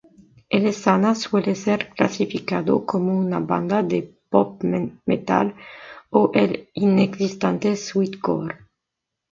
Alesana suele ser clasificado como una banda de "pop-metal", o el inexistente "sweet-core".